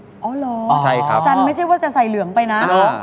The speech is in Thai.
อ๋อหรอจันทร์ไม่ใช่ว่าจะใส่เหลืองไปนะ